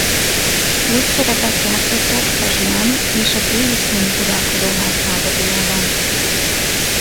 Kulcsszerepet játszottak a Jüan és a Déli-Szung uralkodóház háborújában.